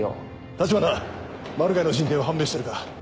橘マルガイの人定は判明してるか？